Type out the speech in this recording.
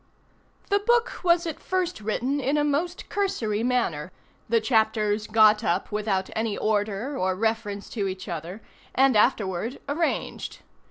The book was at first written in a most cursory manner the chapters got up without any order or reference to each other, and afterward arranged.